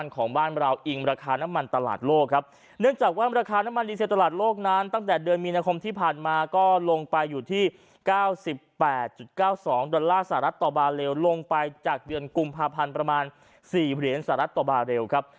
๙๒ดอลลาร์สหรัฐต่อบารเลวลงไปจากเดือนกลุ่มภาพันธ์ประมาณ๔เหรียญสหรัฐต่อบารเลวครับ